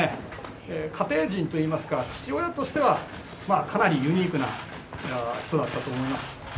家庭人といいますか父親としてはかなりユニークな人だったと思います。